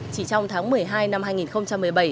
chỉ trong tháng một mươi hai năm hai nghìn một mươi bảy